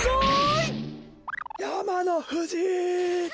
やまのふじ！